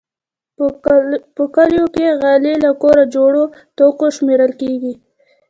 په کلیو کې غالۍ له کور جوړو توکو شمېرل کېږي.